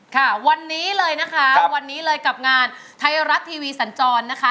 ค่ะวันนี้เลยนะคะวันนี้เลยกับงานไทยรัฐทีวีสันจรนะคะ